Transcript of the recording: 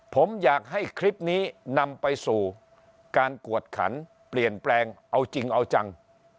ผมอยากให้คลิปนี้นำไปสู่การกวดขันเปลี่ยนแปลงเอาจริงเอาจัง